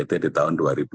ini adalah yang ketiga